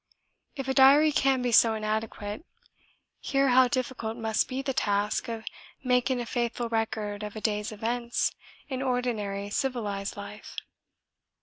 If a diary can be so inadequate here how difficult must be the task of making a faithful record of a day's events in ordinary civilised life!